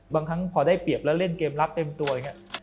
บางครั้งพอได้เปรียบแล้วเล่นเกมรับเต็มตัวอย่างนี้